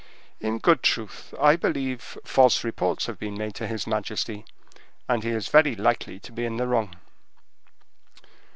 In good truth, I believe false reports have been made to his majesty, and he is very likely to be in the wrong."